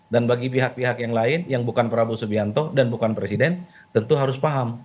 dan bagi pihak pihak yang lain yang bukan prabowo subianto dan bukan presiden tentu harus paham